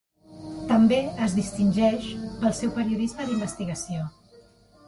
També es distingeix pel seu periodisme d"investigació.